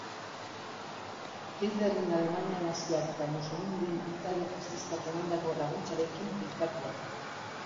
Hitlerren Alemania naziak eta Mussoliniren Italia faxistak emandako laguntzarekin finkatua.